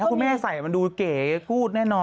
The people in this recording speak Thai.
คุณแม่ใส่มันดูเก๋กู๊ดแน่นอน